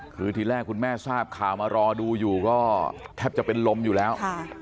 คือทีแรกคุณแม่ทราบข่าวมารอดูอยู่ก็แทบจะเป็นลมอยู่แล้ว